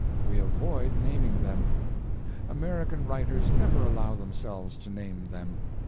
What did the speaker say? We avoid naming them. American writers never allow themselves to name them.